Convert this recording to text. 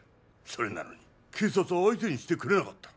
それなのに警察は相手にしてくれなかった。